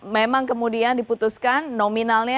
memang kemudian diputuskan nominalnya